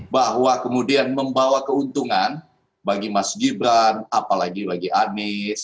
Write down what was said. bahwa kemudian membawa keuntungan bagi mas gibran apalagi bagi anies